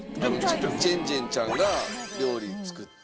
ジェンジェンちゃんが料理作って。